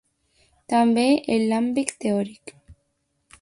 També en l'àmbit teòric.